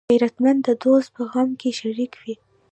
غیرتمند د دوست په غم کې شریک وي